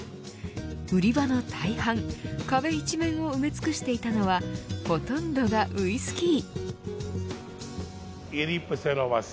売り場の大半、壁一面を埋め尽くしていたのはほとんどがウイスキー。